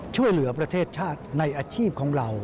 ช่วยเหลือประเทศชาติในอาชีพของเรา